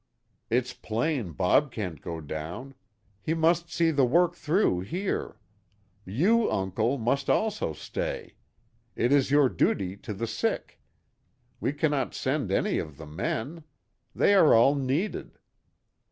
It's plain Bob can't go down. He must see the work through here. You, uncle, must also stay. It is your duty to the sick. We cannot send any of the men. They are all needed.